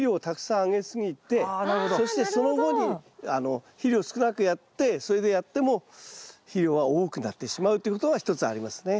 そしてその後に肥料を少なくやってそれでやっても肥料が多くなってしまうということが一つありますね。